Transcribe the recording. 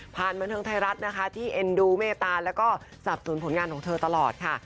บันเทิงไทยรัฐนะคะที่เอ็นดูเมตตาแล้วก็สับสนผลงานของเธอตลอดค่ะ